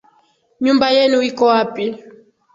Nyumba yenu iko wapi